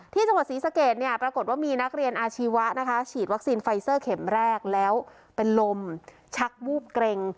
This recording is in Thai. ที่จังหวัดศรีสะเกดเนี่ยปรากฏว่ามีนักเรียนอาชีวะนะคะฉีดวัคซีนไฟเซอร์เข็มแรกแล้วเป็นลมชักวูบเกร็ง